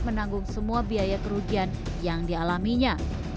menanggung semua biaya kerugian yang dialaminya